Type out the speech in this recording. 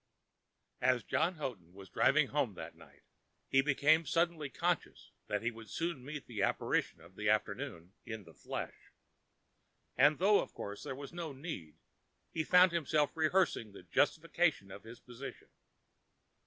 As John Houghton was driven home that night, he became suddenly conscious that he would soon meet the apparition of the afternoon in the flesh. And though, of course, there was no need, he found himself rehearsing the justification of his position.